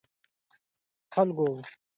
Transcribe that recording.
خلکو ته باید خدمات وړاندې شي.